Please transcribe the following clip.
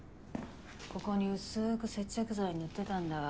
ここに薄く接着剤塗ってたんだわ。